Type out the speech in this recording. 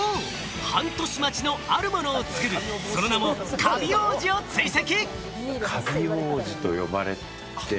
半年待ちのあるものを作る、その名もカビ王子を追跡。